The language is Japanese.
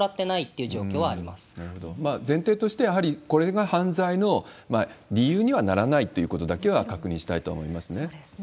前提として、やはりこれが犯罪の理由にはならないっていうことだけは確認したそうですね。